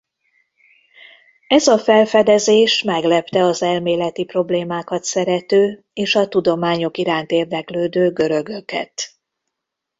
Ez a felfedezés meglepte az elméleti problémákat szerető és a tudományok iránt érdeklődő görögöket.